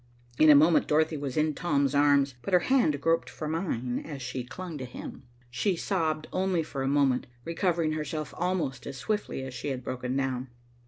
In a moment Dorothy was in Tom's arms, but her hand groped for mine as she clung to him. She sobbed only for a moment, recovering herself almost as swiftly as she had broken down.